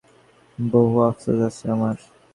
বহু আফসোস আছে আমার।